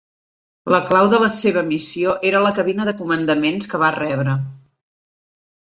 La clau de la seva missió era la cabina de comandaments que va rebre.